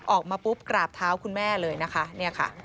ออกมาปุ๊บกราบเท้าคุณแม่เลยนะคะ